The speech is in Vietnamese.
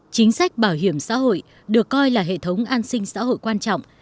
chính sách bảo hiểm xã hội được coi là hệ thống an sinh xã hội quan trọng